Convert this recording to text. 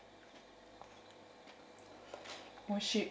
おいしい。